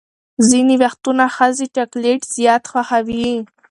ځینې وختونه ښځې چاکلیټ زیات خوښوي.